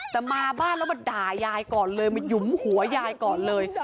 แต่มาบ้านแล้วมาด่ายายก่อนเลยมาหยุมหัวยายก่อนเลย